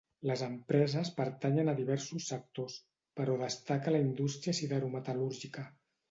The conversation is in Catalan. Les empreses pertanyen a diversos sectors, però destaca la indústria siderometal·lúrgica.